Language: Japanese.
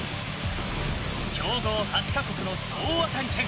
強豪８か国の総当たり戦。